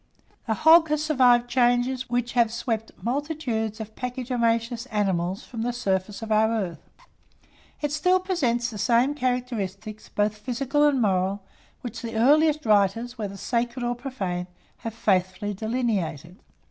The hog has survived changes which have swept multitudes of pachydermatous animals from the surface of our earth. It still presents the same characteristics, both physical and moral, which the earliest writers, whether sacred or profane, have faithfully delineated.